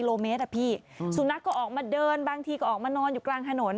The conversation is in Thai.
โลเมตรอะพี่สุนัขก็ออกมาเดินบางทีก็ออกมานอนอยู่กลางถนน